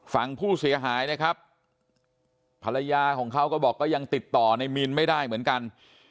ฝั่งผู้เสียหายนะครับภรรยาของเขาก็บอกก็ยังติดต่อในมีนไม่ได้เหมือนกัน